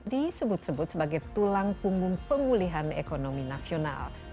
disebut sebut sebagai tulang punggung pemulihan ekonomi nasional